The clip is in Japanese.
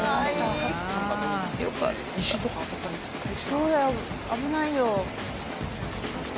「そうだよ危ないよ」